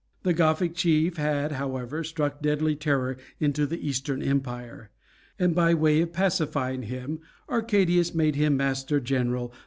The Gothic chief had, however, struck deadly terror into the Eastern Empire; and by way of pacifying him Arcadius made him Master General of Illyricum.